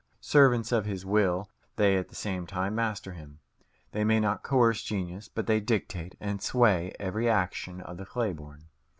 Servants of his will, they at the same time master him. They may not coerce genius, but they dictate and sway every action of the clay born.